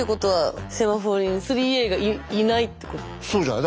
そうじゃない？